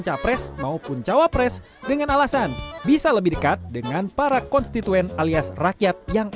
capres maupun cawapres dengan alasan bisa lebih dekat dengan para konstituen alias rakyat yang